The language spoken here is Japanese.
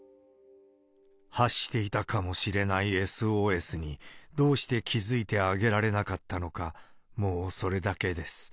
発していたかもしれないＳＯＳに、どうして気付いてあげられなかったのか、もう、それだけです。